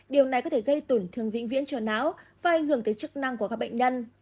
điều này có thể gây tổn thương vĩnh viễn trở não và ảnh hưởng tới chức năng của các bệnh nhân